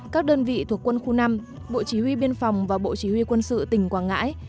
các đơn vị thuộc quân khu năm bộ chỉ huy biên phòng và bộ chỉ huy quân sự tỉnh quảng ngãi